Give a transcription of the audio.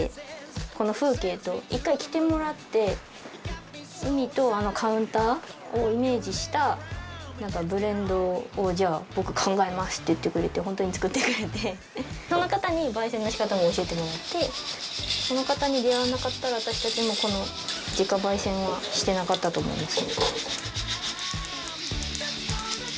この風景と一回来てもらって海とあのカウンターをイメージした何かブレンドをじゃあ僕考えますって言ってくれてホントに作ってくれてその方に焙煎の仕方も教えてもらってその方に出会わなかったら私たちもこの自家焙煎はしてなかったと思います